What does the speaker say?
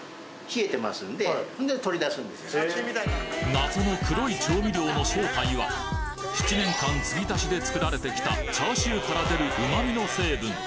謎の黒い調味料の正体は７年間継ぎ足しで作られてきたチャーシューから出る旨味の成分